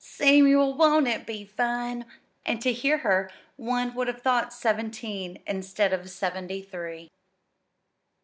Samuel, won't it be fun?" And to hear her one would have thought her seventeen instead of seventy three.